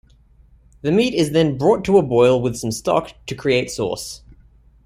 The meat is then brought to a boil with some stock to create sauce.